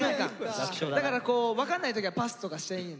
だから分かんない時はパスとかしていいんで。